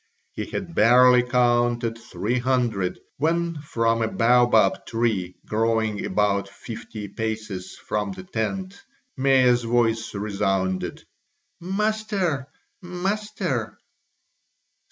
He had barely counted three hundred when from a baobab tree growing about fifty paces from the tent Mea's voice resounded. "Master! Master!"